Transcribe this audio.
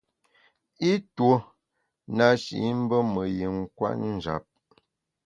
I tuo na shi i mbe me yin kwet njap.